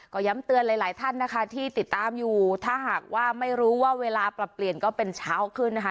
ก็ย้ำเตือนหลายหลายท่านนะคะที่ติดตามอยู่ถ้าหากว่าไม่รู้ว่าเวลาปรับเปลี่ยนก็เป็นเช้าขึ้นนะคะ